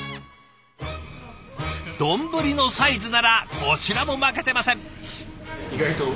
丼のサイズならこちらも負けてません。